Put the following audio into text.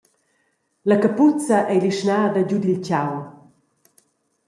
La capuza ei lischnada giu dil tgau.